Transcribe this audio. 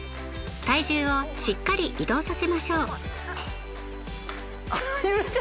体重をしっかり移動させましょう。